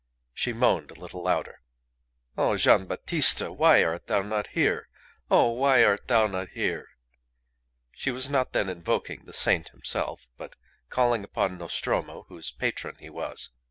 She moaned a little louder. "Oh! Gian' Battista, why art thou not here? Oh! why art thou not here?" She was not then invoking the saint himself, but calling upon Nostromo, whose patron he was.